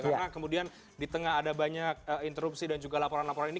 karena kemudian ditengah ada banyak interupsi dan juga laporan laporan ini